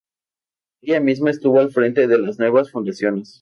Ella misma estuvo al frente de las nuevas fundaciones.